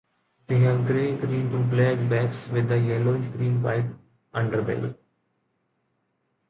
They have gray-green to black backs with a yellowish green-white underbelly.